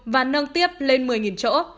và nâng tiếp lên một mươi chỗ